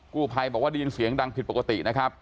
กู้ภัยบอกว่าได้ยินเสียงดังผิดปกตินะครับ